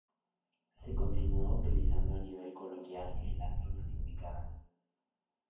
Se continúa utilizando a nivel coloquial en las zonas indicadas.